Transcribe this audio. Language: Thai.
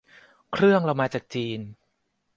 เครื่องเรามาจากจีน